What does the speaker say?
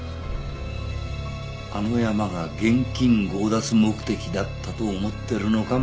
あのヤマが現金強奪目的だったと思ってるのか？